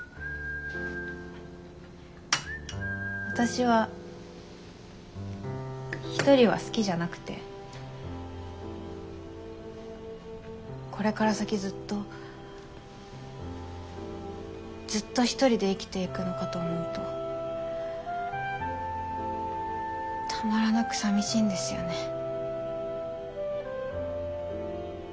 私は一人は好きじゃなくてこれから先ずっとずっと一人で生きていくのかと思うとたまらなく寂しいんですよね。